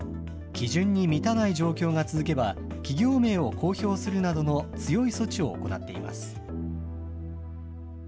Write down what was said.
基準に満たない状況が続けば、企業名を公表するなどの強い措置を行っています。